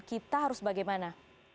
kita harus bagaimana